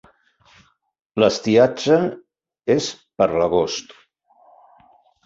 L'estiatge és per l'agost.